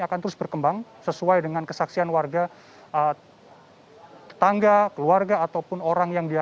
akan terus berkembang sesuai dengan kesaksian warga tetangga keluarga ataupun orang yang dia